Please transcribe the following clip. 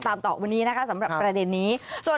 ต่อวันนี้นะคะสำหรับประเด็นนี้